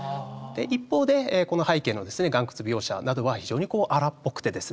一方でこの背景の岩窟描写などは非常にこう荒っぽくてですね